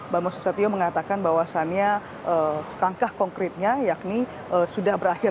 bambang susatyo mengatakan bahwasannya langkah konkretnya yakni sudah berakhir